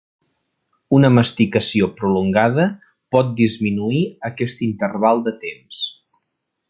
Una masticació prolongada pot disminuir aquest interval de temps.